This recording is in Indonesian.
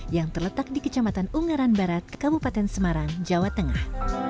yang terletak di kecamatan ungaran barat kabupaten semarang jawa tengah